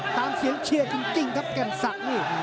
ตามเสียงเชื่อจริงครับแก่นสักนี่